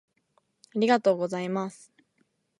ありがとうございます